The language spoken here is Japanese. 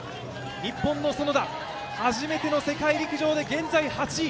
日本の園田、初めての世界陸上で現在８位。